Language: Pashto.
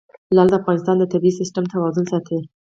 لعل د افغانستان د طبعي سیسټم توازن ساتي.